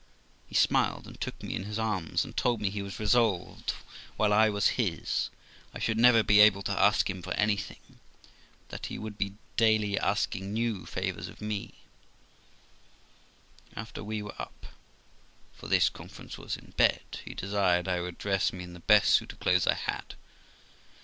He smiled, and took me in his arms, and told me he was resolved, while I was his, I should never be able to ask him for anything, but that he would be daily asking new favours of me, After we were up (for this conference was in bed), he desired I would dress me in the best suit of clothes I had.